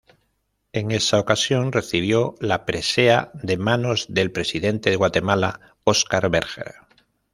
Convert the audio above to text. En esa ocasión recibió la presea de manos del Presidente de Guatemala Oscar Berger.